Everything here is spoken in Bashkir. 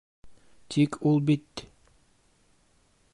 Тик ул бит...